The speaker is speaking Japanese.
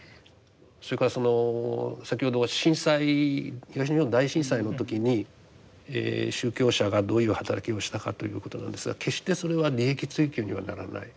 それから先ほどは震災東日本大震災の時に宗教者がどういう働きをしたかということなんですが決してそれは利益追求にはならない。